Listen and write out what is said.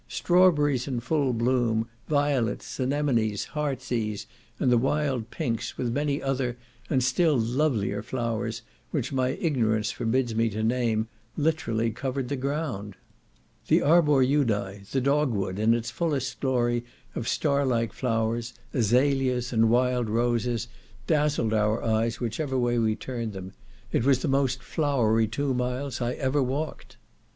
Strawberries in full bloom, violets, anemonies, heart's ease, and wild pinks, with many other, and still lovelier flowers, which my ignorance forbids me to name, literally covered the ground. The arbor judae, the dog wood, in its fullest glory of star like flowers, azalias, and wild roses, dazzled our eyes whichever way we turned them. It was the most flowery two miles I ever walked.